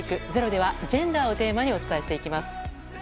「ｚｅｒｏ」ではジェンダーをテーマにお伝えしていきます。